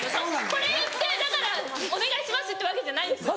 これ言ってだからお願いしますってわけじゃないんですよ。